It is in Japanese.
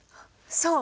そう！